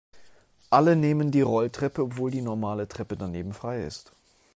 Alle nehmen die Rolltreppe, obwohl die normale Treppe daneben frei ist.